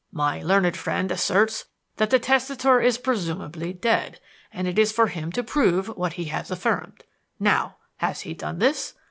My learned friend asserts that the testator is presumably dead, and it is for him to prove what he has affirmed. Now, has he done this?